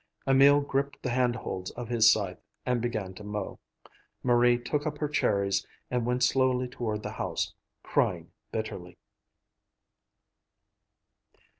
Emil gripped the hand holds of his scythe and began to mow. Marie took up her cherries and went slowly toward the house, crying bitterly.